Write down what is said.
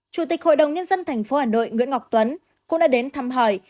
chủ tịch hội đồng nhân dân thành phố hà nội nguyễn ngọc tuấn cũng đã đến thăm hỏi